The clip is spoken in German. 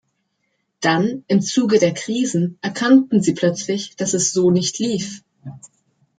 Dann, im Zuge der Krisen, erkannten Sie plötzlich, dass es so nicht lief.